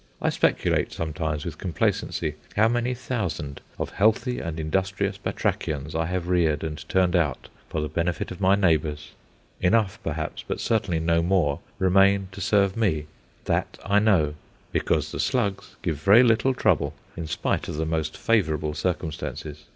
I speculate sometimes with complacency how many thousand of healthy and industrious batrachians I have reared and turned out for the benefit of my neighbours. Enough perhaps, but certainly no more, remain to serve me that I know because the slugs give very little trouble in spite of the most favourable circumstances.